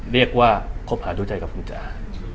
เรียกว่าคบหาด้วยใจกับคุณจ๋า